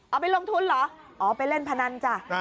เอาไปลงทุนเหรออ๋อไปเล่นพนันจ้ะ